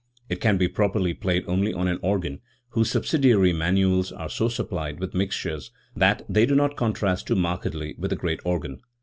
It can be properly played only on an organ whose subsidiary manuals are so supplied with mixtures that they do not contrast too markedly with the great organ.